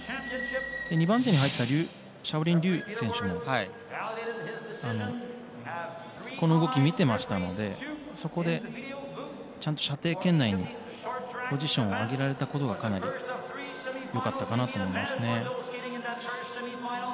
２番手に入ったシャオリン・リュー選手もこの動きを見ていましたのでそこで射程圏内にポジションを上げられたことがかなりよかったかなと思います。